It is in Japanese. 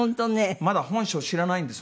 まだ本性知らないんです